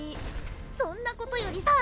そんなことよりさ